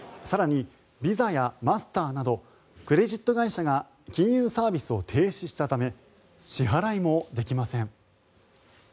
更にＶｉｓａやマスターなどクレジット会社が金融サービスを停止したため支払いもできません。